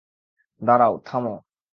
দাঁড়াও, থামো।